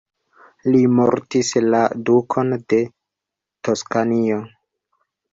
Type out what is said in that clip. Li mortigis la Dukon de Toskanio.